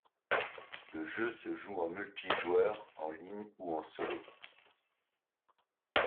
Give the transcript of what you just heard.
Le jeu se joue en multijoueur en ligne ou en solo.